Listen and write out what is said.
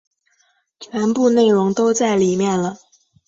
全部内容都在里面了